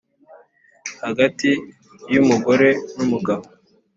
hagati y'umugore n'umugabo.